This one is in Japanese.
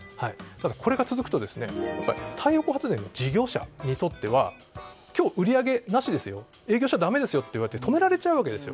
ただ、これが続くと太陽光発電の事業者にとっては今日、売上なしですよ営業しちゃだめですよと止められちゃうわけです。